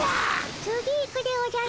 次行くでおじゃる。